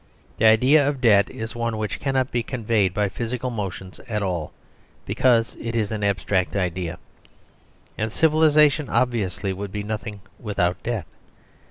The idea of debt is one which cannot be conveyed by physical motions at all, because it is an abstract idea. And civilisation obviously would be nothing without debt.